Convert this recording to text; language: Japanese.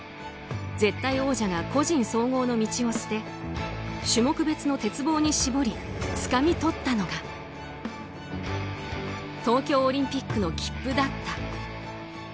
絶対王者が個人総合の道を捨て種目別の鉄棒にしぼりつかみ取ったのは東京オリンピックの切符だった。